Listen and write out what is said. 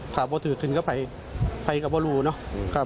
ถามว่าถือกขึ้นกับไผ่ไผ่กับว่ารูเนอะครับ